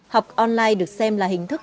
học online được xem là hình thức